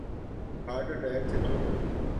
heart attack سے چھٹ